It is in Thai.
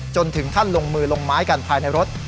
จนถึงขั้นลงมือลงไม้กันภายในรถ